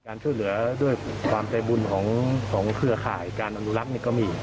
การฝื้อเหลือด้วยความใจบุญของเภอข่ายการอนุรักษ์นี่ก็มี